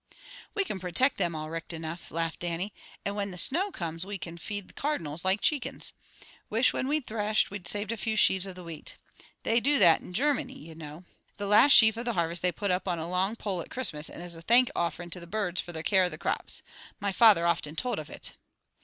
"We can protect them all richt enough," laughed Dannie. "And when the snow comes we can feed Cardinals like cheekens. Wish when we threshed, we'd saved a few sheaves of wheat. They do that in Germany, ye know. The last sheaf of the harvest they put up on a long pole at Christmas, as a thank offering to the birds fra their care of the crops. My father often told of it."